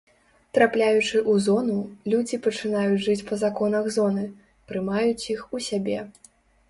Трапляючы ў зону, людзі пачынаюць жыць па законах зоны, прымаюць іх у сябе.